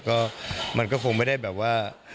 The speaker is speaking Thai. ก็มันก็คงไม่ได้แบบว่า